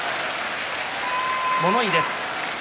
物言いです。